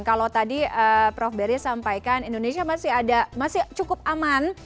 kalau tadi prof beri sampaikan indonesia masih ada masih cukup aman